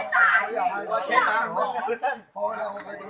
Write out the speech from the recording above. กลับมาเช็ดตาของมอง